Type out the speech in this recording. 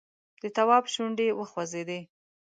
د تواب شونډې وخوځېدې!